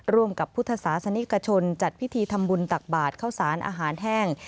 ร่วมกับพุทธศาสนิกชนจัดพิธีทำบุญตักบาทเข้าสารอาหารแห้ง